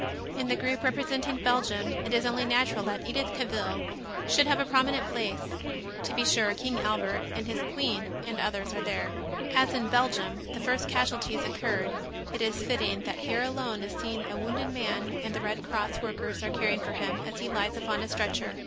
In the group representing Belgium it is only natural that Edith Cavil should have a prominent place. To be sure King Albert and his queen and others are there. As in Belgium the first casualties occurred it is fitting that here alone is seen a wounded man and the Red Cross workers are caring for him as he lies upon a stretcher.